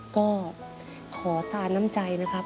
ก็ขอตาน้ำใจนะครับ